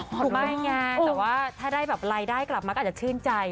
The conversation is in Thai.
ไม่ไงแต่ว่าถ้าได้แบบรายได้กลับมาก็อาจจะชื่นใจ